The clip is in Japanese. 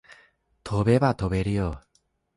飛べば飛べるよ